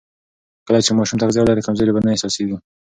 کله چې ماشوم تغذیه ولري، کمزوري به نه احساسېږي.